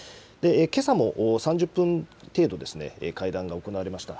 けさも３０分程度、会談が行われました。